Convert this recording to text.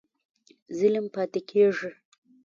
ظلم پاتی کیږي؟